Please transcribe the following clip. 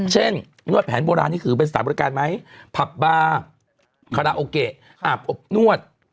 นวดแผนโบราณนี่คือเป็นสถานบริการไหมผับบาร์คาราโอเกะอาบอบนวด